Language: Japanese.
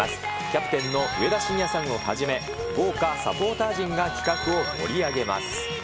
キャプテンの上田晋也さんをはじめ、豪華サポーター陣が企画を盛り上げます。